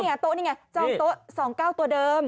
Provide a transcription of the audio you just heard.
นี่ไงโต๊ะนี่ไงจองโต๊ะ๒๙๙๒ตัวเดิม